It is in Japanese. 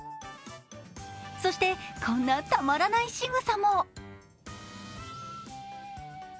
そして、こんな、たまらないしぐさも。